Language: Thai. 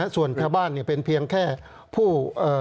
ส่วนแพทย์บ้านเนี่ยเป็นเพียงแค่ผู้